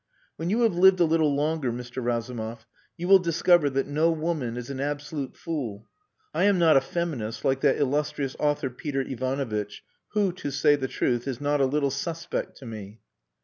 "When you have lived a little longer, Mr. Razumov, you will discover that no woman is an absolute fool. I am not a feminist, like that illustrious author, Peter Ivanovitch, who, to say the truth, is not a little suspect to me...."